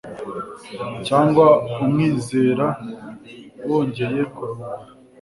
cyangwa umwizera wongeye kurongora